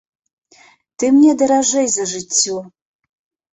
Ты мне даражэй за жыццё.